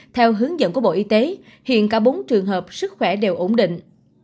theo hướng dẫn của bộ y tế hiện cả bốn trường hợp sức khỏe đều ổn định